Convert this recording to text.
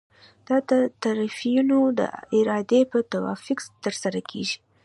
دا د طرفینو د ارادې په توافق ترسره کیږي.